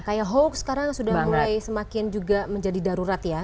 kayak hoax sekarang sudah mulai semakin juga menjadi darurat ya